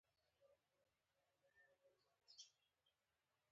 غلی، د حقیقت ساتونکی وي.